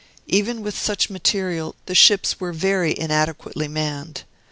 Even with such material, the ships were very inadequately manned.